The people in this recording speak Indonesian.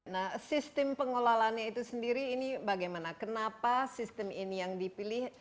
nah sistem pengelolaannya itu sendiri ini bagaimana kenapa sistem ini yang dipilih